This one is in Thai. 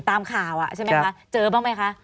ตามข่าวใช่ไหมคะเจอบ้างไหมคะ